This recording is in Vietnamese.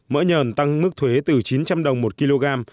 mỡ nhờn tăng mức thuế từ chín trăm linh đồng một kg